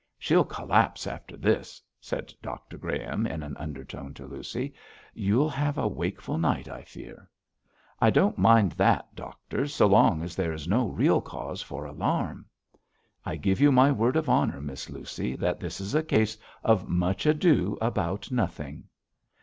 'She'll collapse after this,' said Dr Graham, in an undertone to Lucy; 'you'll have a wakeful night, I fear.' 'I don't mind that, doctor, so long as there is no real cause for alarm.' 'I give you my word of honour, Miss Lucy, that this is a case of much ado about nothing.'